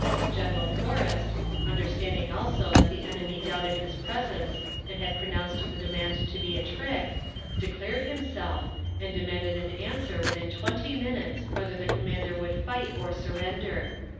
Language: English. General Forrest, understanding also that the enemy doubted his presence and had pronounced the demand to be a trick, declared himself, and demanded an answer within twenty minutes whether the commander would fight or surrender.